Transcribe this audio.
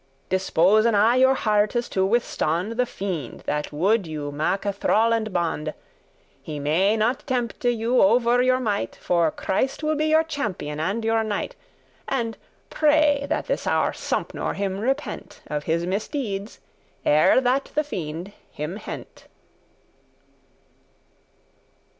Disposen aye your heartes to withstond The fiend that would you make thrall and bond; He may not tempte you over your might, For Christ will be your champion and your knight; And pray, that this our Sompnour him repent Of his misdeeds ere that the fiend him hent.